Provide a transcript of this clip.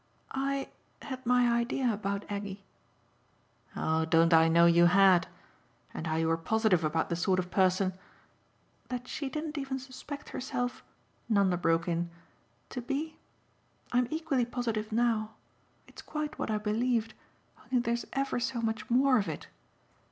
"I had my idea about Aggie." "Oh don't I know you had? And how you were positive about the sort of person !" "That she didn't even suspect herself," Nanda broke in, "to be? I'm equally positive now. It's quite what I believed, only there's ever so much more of it.